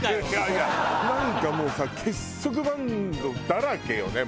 いやなんかもうさ結束バンドだらけよね